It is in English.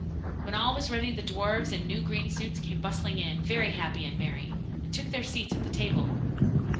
When all was ready, the dwarfs, in new green suits, came bustling in, very happy and merry, and took their seats at the table.